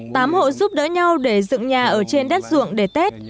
tám hộ giúp đỡ nhau để dựng nhà ở trên đất ruộng để tết